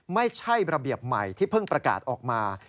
ไม่ใช่ระเบียบใหม่ที่เพิ่งประกาศออกมา